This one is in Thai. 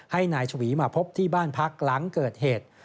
ให้นายชวีมาพบที่บ้านพักหลังเกิดเหตุ